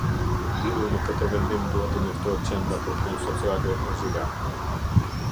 Lidhur me këtë vendim, duhet të njoftohet Qendra për Punë Sociale në Gjilan.